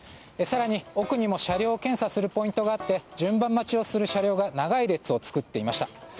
更に、奥にも車両を検査するポイントがあって順番待ちをする車両が長い列を作っていました。